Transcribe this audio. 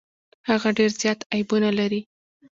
هغه ډیر زيات عيبونه لري.